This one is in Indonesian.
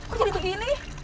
kok jadi begini